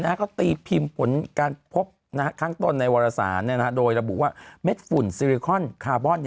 เขาตีพิมพ์ผลการพบข้างต้นในวรสารโดยระบุว่าเม็ดฝุ่นซิริคอนคาร์บอน